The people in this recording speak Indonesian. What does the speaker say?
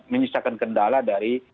menyesakan kendala dari